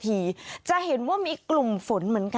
สวัสดีค่ะรุ่นก่อนเวลาเหนียวกับดาวสุภาษฎรามมาแล้วค่ะ